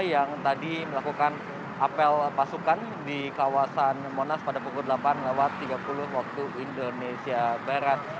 yang tadi melakukan apel pasukan di kawasan monas pada pukul delapan lewat tiga puluh waktu indonesia barat